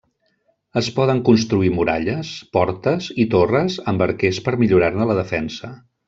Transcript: Es poden construir muralles, portes i torres amb arquers per millorar-ne la defensa.